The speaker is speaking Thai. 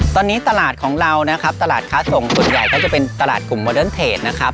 ตอนนี้ตลาดของเรานะครับตลาดค้าส่งส่วนใหญ่ก็จะเป็นตลาดกลุ่มโมเดิร์นเทจนะครับ